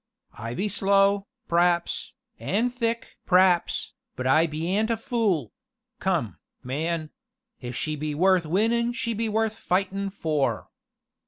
"I be slow, p'r'aps, an' thick p'raps, but I bean't a fule come, man if she be worth winnin' she be worth fightin' for."